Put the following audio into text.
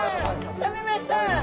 食べました！